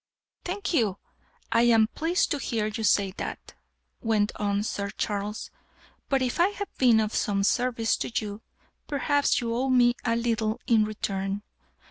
"Thank you; I am pleased to hear you say that," went on Sir Charles. "But if I have been of some service to you, perhaps you owe me a little in return.